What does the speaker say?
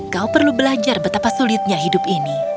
kau perlu belajar betapa sulitnya hidup ini